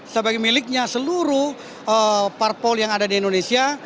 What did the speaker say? sebagai miliknya seluruh parpol yang ada di indonesia